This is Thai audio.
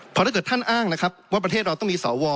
เพราะถ้าเกิดท่านอ้างนะครับว่าประเทศเราต้องมีสว